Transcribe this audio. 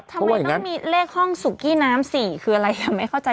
ทำไมต้องมีเลขห้องสุกี้น้ำ๔คืออะไร